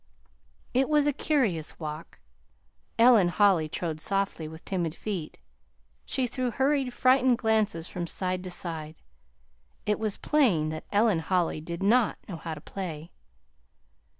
It was a curious walk. Ellen Holly trod softly, with timid feet. She threw hurried, frightened glances from side to side. It was plain that Ellen Holly did not know how to play.